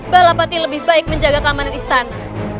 balapati lebih baik menjaga keamanan istana